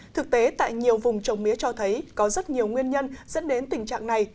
thực tế tại nhiều vùng trồng mía cho thấy có rất nhiều nguyên nhân dẫn đến tình trạng này